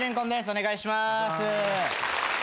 お願いします。